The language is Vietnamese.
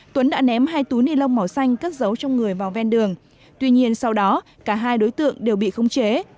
tuấn đã ném hai túi nilon màu xanh cất giấu trong người vào ven đường tuy nhiên sau đó cả hai đối tượng đều bị không chế